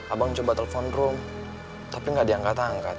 abang coba telepon rum tapi gak diangkat angkat